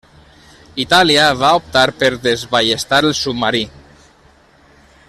Itàlia va optar per desballestar el submarí.